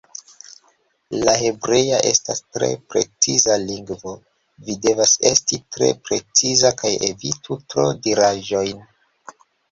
La hebrea estas tre preciza lingvo, vi devas esti tre preciza kaj evitu tro-diraĵojn.